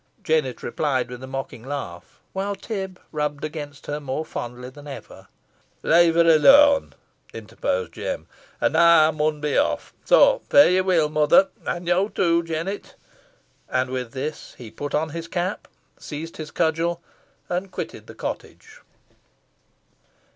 Jennet replied with a mocking laugh, while Tib rubbed against her more fondly than ever. "Let her alone," interposed Jem. "An now ey mun be off. So, fare ye weel, mother, an yo, too, Jennet." And with this, he put on his cap, seized his cudgel, and quitted the cottage.